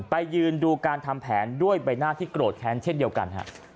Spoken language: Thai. ยืนดูการทำแผนด้วยใบหน้าที่โกรธแค้นเช่นเดียวกัน